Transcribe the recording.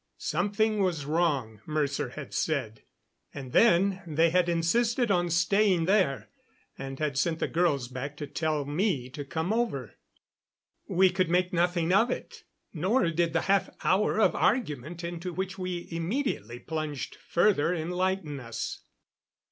"Something was wrong," Mercer had said. And then they had insisted on staying there, and had sent the girls back to tell me to come over. We could make nothing of it, nor did the half hour of argument into which we immediately plunged further enlighten us.